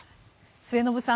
末延さん